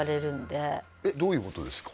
どういうことですか？